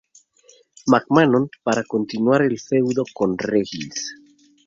McMahon para continuar el feudo con Reigns.